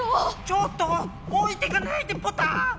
ちょっとおいてかないでポタ！